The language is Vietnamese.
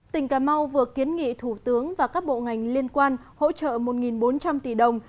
tỉnh cà mau vừa kiến nghị thủ tướng và các bộ ngành liên quan hỗ trợ một bốn trăm linh tỷ đồng